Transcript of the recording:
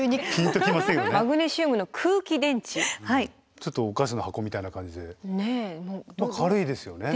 ちょっとお菓子の箱みたいな感じで軽いですよね。